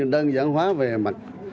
đơn giản hóa về mặt